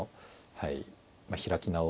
はい。